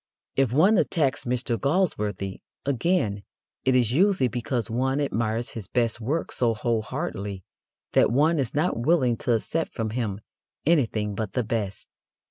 If one attacks Mr. Galsworthy, again, it is usually because one admires his best work so whole heartedly that one is not willing to accept from him anything but the best.